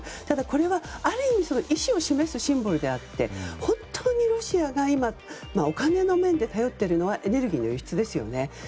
ただこれは、ある意味意思を示すシンボルであって本当にロシアが今、お金の面で頼っているのはエネルギーの輸出ですよね。